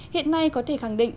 hiện nay có thể khẳng định